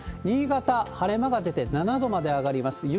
新潟、晴れ間が出て７度まで上がります。